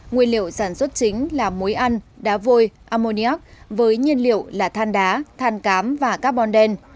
nguyên liệu sản xuất chính là muối ăn đá vôi ammoniac với nhiên liệu là than đá than cám và carbon đen